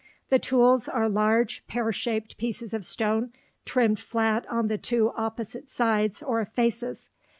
The tools are large pear shaped pieces of stone trimmed flat on the two opposite sides or "faces."